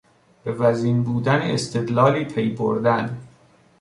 به وزین بودن استدلالی پیبردن